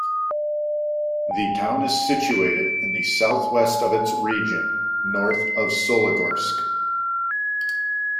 The town is situated in the south-west of its Region, north of Soligorsk.